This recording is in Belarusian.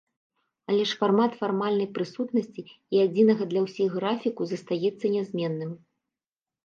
Але ж фармат фармальнай прысутнасці і адзінага для ўсіх графіку застаецца нязменным.